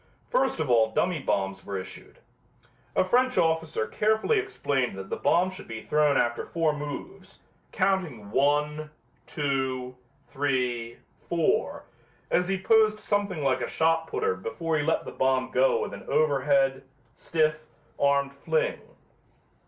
First of all dummy bombs were issued. A French officer carefully explained that the bomb should be thrown after four moves, counting one, two, three, four, as he posed something like a shot putter before he let the bomb go with an overhand, stiff, armed fling.